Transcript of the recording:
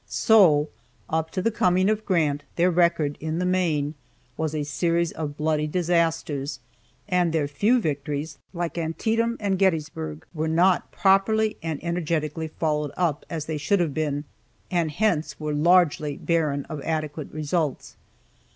So, up to the coming of Grant, their record, in the main, was a series of bloody disasters, and their few victories, like Antietam and Gettysburg, were not properly and energetically followed up as they should have been, and hence were largely barren of adequate results.